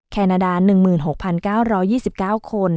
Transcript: แคนาดา๑๖๙๒๙คน